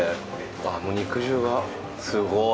ああ、もう肉汁がすごい。